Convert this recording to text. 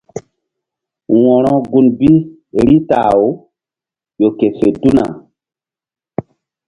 Wo̧ro gun bi Rita-aw ƴo ke fe tuna.